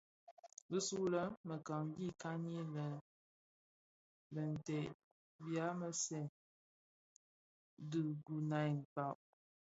Bisule le mekani kani mè dheteb byamzèn dhiguňa kka.